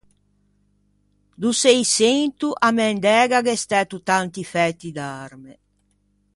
Do Seiçento à Mendæga gh'é stæto tanti fæti d'arme.